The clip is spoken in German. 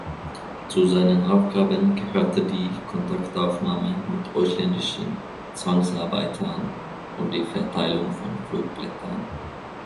Zu seinen Aufgaben gehörten die Kontaktaufnahme mit ausländischen Zwangsarbeitern und die Verteilung von Flugblättern.